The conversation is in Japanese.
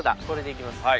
これでいきます。